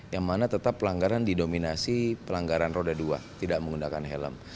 yang mana tetap pelanggaran didominasi pelanggaran roda dua tidak menggunakan helm